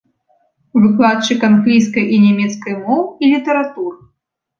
Выкладчык англійскай і нямецкай моў і літаратур.